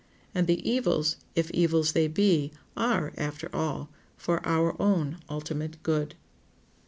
And the evils, if evils they be, are, after all, for our own ultimate good.